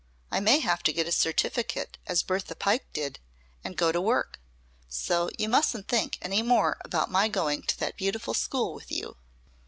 I may have to get a certificate as Bertha Pike did, and go to work. So you mustn't think any more about my going to that beautiful school with you."